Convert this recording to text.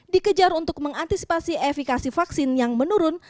dikejar untuk mengantisipasi efikasi vaksin yang menurun